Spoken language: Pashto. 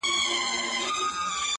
له هر کونجه یې جلا کول غوښتنه-